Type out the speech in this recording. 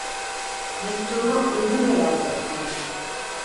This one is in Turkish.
Mektubu müdür bey aldı efendim!